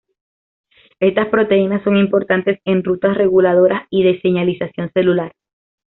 Estas proteínas son importantes en rutas reguladoras y de señalización celular.